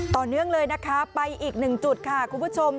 ต่อเนื่องเลยนะคะไปอีกหนึ่งจุดค่ะคุณผู้ชม